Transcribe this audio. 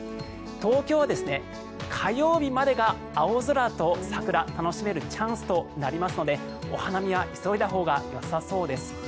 東京は火曜日までが青空と桜を楽しめるチャンスとなりますのでお花見は急いだほうがよさそうです。